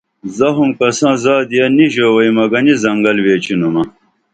زخم کساں زادیہ نی ژووئیمہ گنی زنگل ویچینُمہ